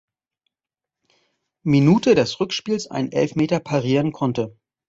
Minute des Rückspiels einen Elfmeter parieren konnte.